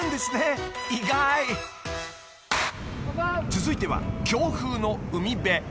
［続いては強風の海辺］